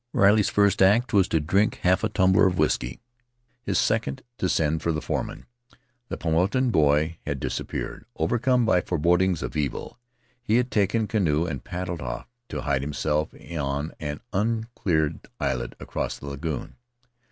Riley's first act was to drink half a tumbler of whisky; his second, to send for the foreman. The Paumotan boy had disappeared; overcome by forebodings of evil, he had taken a canoe and paddled off to hide him self on an uncleared islet across the lagoon.